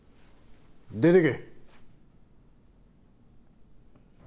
出ていけ！